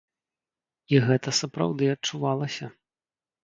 І гэта сапраўды адчувалася.